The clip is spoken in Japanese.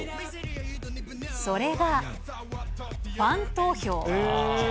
それが、ファン投票。